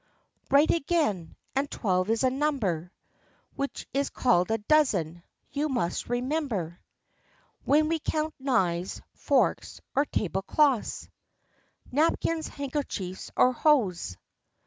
"Eight again. And twelve is a number Which is called a dozen, you must remember, When we count knives, forks, or tablecloths, Napkins, handkerchiefs, or hose.